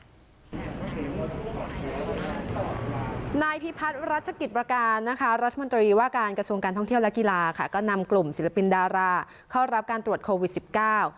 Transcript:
นายพิพัฒน์รัชกิจประการนะคะรัฐมนตรีว่าการกระทรวงการท่องเที่ยวและกีฬาค่ะก็นำกลุ่มศิลปินดาราเข้ารับการตรวจโควิดสิบเก้า